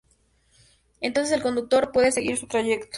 Entonces el conductor puede seguir su trayecto.